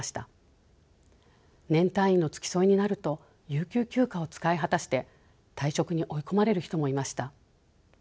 年単位の付き添いになると有給休暇を使い果たして退職に追い込まれる人もいました。